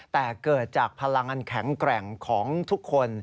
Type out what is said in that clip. แต่เกิดจากพลังอันแข็งแกร่งของทุกคน